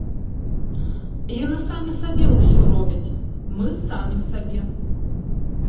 Яны самі сабе ўсё робяць, мы самі сабе.